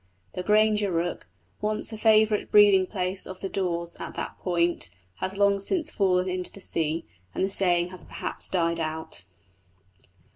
The Grainger rock, once a favourite breeding place of the daws at that point, has long since fallen into the sea, and the saying has perhaps died out.